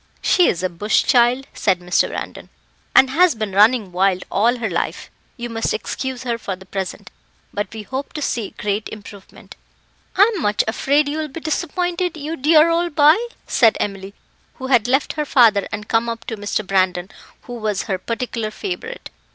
"She is a bush child," said Mr. Brandon, "and has been running wild all her life; you must excuse her for the present, but we hope to see great improvement." "I am much afraid you will be disappointed, you dear old boy," said Emily, who had left her father and come up to Mr. Brandon, who was her particular favourite.